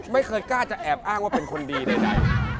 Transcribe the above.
ไม่เคยกล้าจะแอบอ้างว่าเป็นคนดีใด